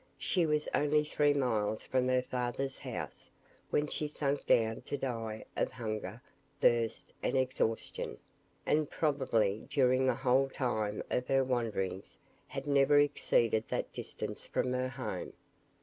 She was only three miles from her father's house when she sank down to die of hunger, thirst, and exhaustion; and probably during the whole time of her wanderings had never exceeded that distance from her home.